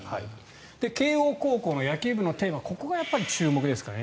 慶応高校の野球部のテーマここが注目ですかね。